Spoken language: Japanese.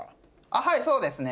はいそうですね。